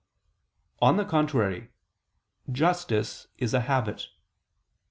On the contrary, Justice is a habit.